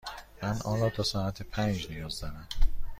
من آن را تا ساعت پنج نیاز دارم.